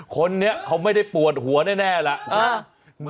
คนนี้เขาไม่ได้ปวดหัวแน่แล้ว